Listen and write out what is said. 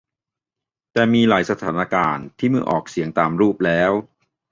แต่มีหลายสถานการณ์ ที่เมื่อออกเสียงตามรูปแล้ว